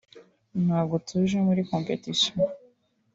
…ntabwo tuje muri competition